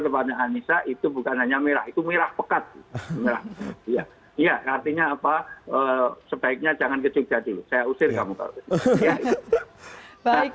tempatnya anissa itu bukan hanya merah itu merah pekat ya sebaiknya jangan kejujuran